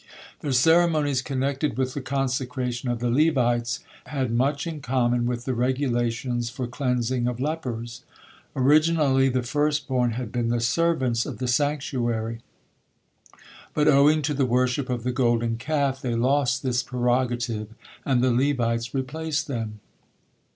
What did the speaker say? The ceremonies connected with the consecration of the Levites had much in common with the regulations for cleansing of lepers. Originally, the firstborn had been the servants of the sanctuary, but, owing to the worship of the Golden Calf, they lost this prerogative, and the Levites replaced them.